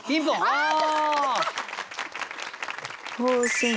ああ！